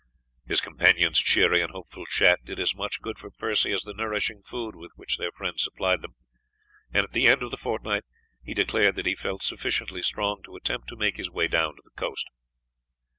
His companion's cheery and hopeful chat did as much good for Percy as the nourishing food with which their friend supplied them, and at the end of the fortnight he declared that he felt sufficiently strong to attempt to make his way down to the coast.